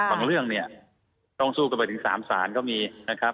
เรื่องเนี่ยต้องสู้กันไปถึง๓ศาลก็มีนะครับ